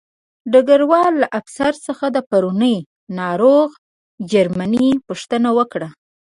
ډګروال له افسر څخه د پرونۍ ناروغ جرمني پوښتنه وکړه